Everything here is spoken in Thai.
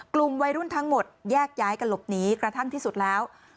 กลุ่มวัยรุ่นทั้งหมดแยกย้ายกันหลบหนีกระทั่งที่สุดแล้ว